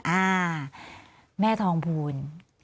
อ่าแม่ทองภูล